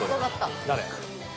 誰？